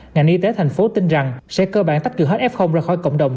ngành y tế thành phố tin rằng sẽ cơ bản tách thửa hết f ra khỏi cộng đồng